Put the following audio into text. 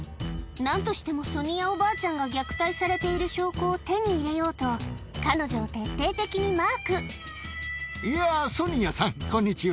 なんとしてもソニアおばあちゃんが虐待されている証拠を手に入れいや、ソニアさん、こんにちは。